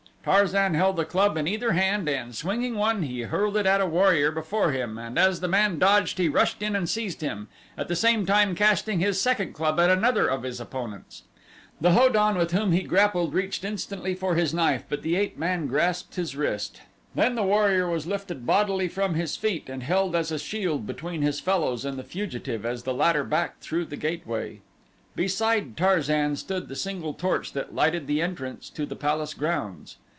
Tarzan held a club in either hand and, swinging one he hurled it at a warrior before him and as the man dodged he rushed in and seized him, at the same time casting his second club at another of his opponents. The Ho don with whom he grappled reached instantly for his knife but the ape man grasped his wrist. There was a sudden twist, the snapping of a bone and an agonized scream, then the warrior was lifted bodily from his feet and held as a shield between his fellows and the fugitive as the latter backed through the gateway. Beside Tarzan stood the single torch that lighted the entrance to the palace grounds.